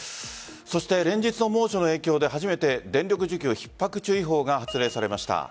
そして連日の猛暑の影響で初めて電力需給ひっ迫注意報が発令されました。